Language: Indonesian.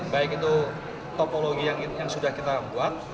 baik itu topologi yang sudah kita buat